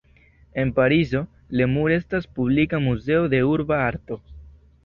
En Parizo, Le Mur estas publika muzeo de urba arto.